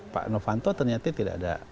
pak novanto ternyata tidak ada persoalan ya